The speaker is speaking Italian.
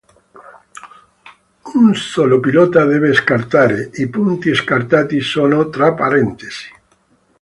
Un solo pilota deve scartare; i punti scartati sono tra parentesi.